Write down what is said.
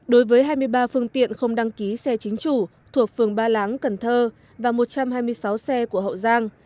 đối với hai mươi ba phương tiện không đăng ký xe chính chủ thuộc phường ba láng cần thơ và một trăm hai mươi sáu xe của hậu giang